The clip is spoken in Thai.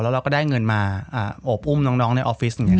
แล้วเราก็ได้เงินมาอบอุ้มน้องในออฟฟิศ